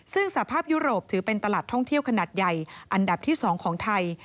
ซึ่งสภาพยุโรปถือเป็นตลาดท่องเที่ยวขนาดใหญ่อันดับที่๒ของไทย